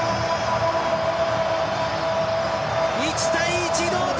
１対１、同点！